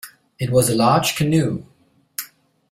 It was a large canoe.